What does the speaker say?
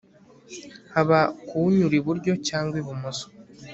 haba kuwunyura iburyo cyangwa ibumoso